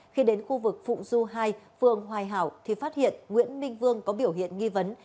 khi đến khu vực phụng du hai phường hoài hảo thì phát hiện nguyễn minh vương có biểu hiện nghi vấn